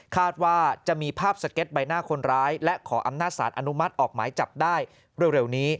คาดว่าจะมีภาพสเก็ตใบหน้าคนร้ายและขออำนาจสารอนุมัติออกหมายจับได้เร็วนี้